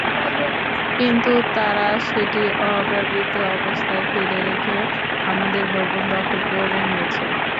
কিন্তু তারা সেটি অব্যবহৃত অবস্থায় ফেলে রেখে আমাদের ভবন দখল করে নিয়েছে।